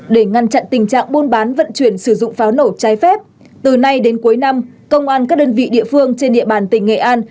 để ngăn chặn tình trạng buôn bán vận chuyển sử dụng pháo nổ trái phép từ nay đến cuối năm công an các đơn vị địa phương trên địa bàn tỉnh nghệ an